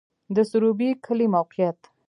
د سروبی کلی موقعیت